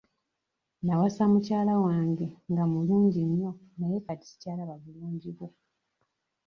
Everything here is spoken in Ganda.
Nawasa mukyala wange nga mulungi nnyo naye kati sikyalaba bulungi bwe.